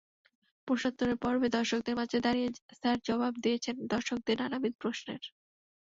প্রশ্নোত্তর পর্বে দর্শকদের মাঝে দাঁড়িয়ে স্যার জবাব দিয়েছেন দর্শকদের নানাবিধ প্রশ্নের।